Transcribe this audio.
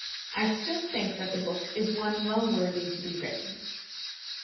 I still think that the book is one well worthy to be written.